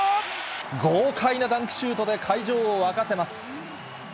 豪快なダンクシュートで会場を沸かせます。